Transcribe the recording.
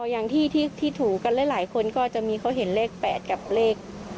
อย่างที่ถูกกันหลายคนก็จะมีเขาเห็นเลข๘กับเลข